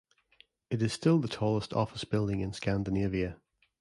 It is still the tallest office building in Scandinavia.